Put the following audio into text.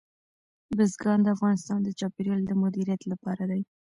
بزګان د افغانستان د چاپیریال د مدیریت لپاره دي.